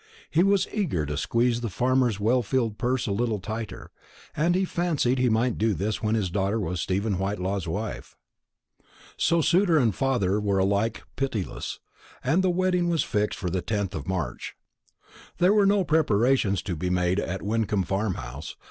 He was eager to squeeze the farmer's well filled purse a little tighter, and he fancied he might do this when his daughter was Stephen Whitelaw's wife. So suitor and father were alike pitiless, and the wedding was fixed for the 10th of March. There were no preparations to be made at Wyncomb Farmhouse.